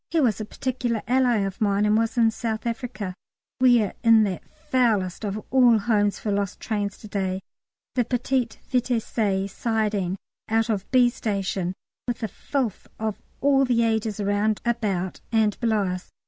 He was a particular ally of mine and was in South Africa. We are in that foulest of all homes for lost trains to day, the Petit Vitesse siding out of B. station, with the filth of all the ages around, about, and below us.